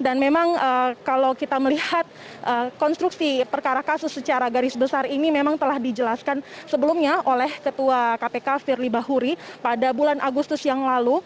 dan memang kalau kita melihat konstruksi perkara kasus secara garis besar ini memang telah dijelaskan sebelumnya oleh ketua kpk firly bahuri pada bulan agustus yang lalu